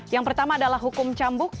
yang pertama adalah hukum cambuk